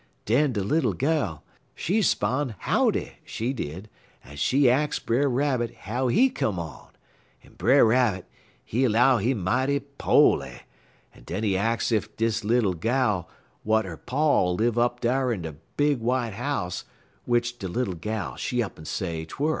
"Den de Little Gal, she 'spon' howdy, she did, en she ax Brer Rabbit how he come on, en Brer Rabbit, he 'low he mighty po'ly, en den he ax ef dis de Little Gal w'at 'er pa live up dar in de big w'ite house, w'ich de Little Gal, she up'n say 'twer'.